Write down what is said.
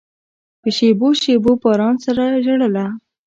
په شېبو، شېبو باران سره ژړله